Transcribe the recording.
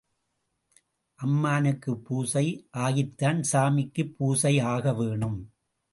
அம்மனுக்குப் பூஜை ஆகித்தான் சாமிக்குப் பூஜை ஆகவேணும்.